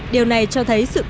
điều này cho thấy sự cố gắng